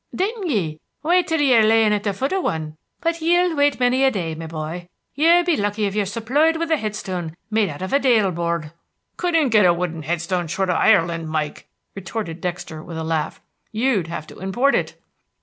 "Didn't ye? Wait till ye're layin' at the foot of one. But ye'll wait many a day, me boy. Ye'll be lucky if ye're supploid with a head stone made out of a dale board." "Couldn't get a wooden head stone short of Ireland, Mike." Retorted Dexter, with a laugh. "You'd have to import it."